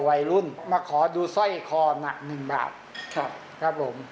วัยรุ่นมาขอดูสร้อยคอหนักหนึ่งบาทครับครับผม